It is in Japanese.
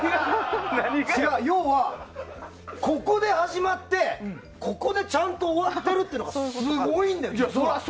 要はここで始まって、ここでちゃんと終わるっていうのがすごいんですよ。